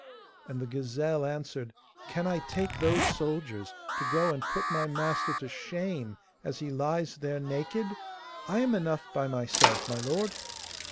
And the gazelle answered: 'Can I take those soldiers to go and put my master to shame as he lies there naked? I am enough by myself, my lord.